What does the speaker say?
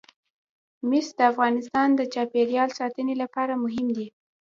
مس د افغانستان د چاپیریال ساتنې لپاره مهم دي.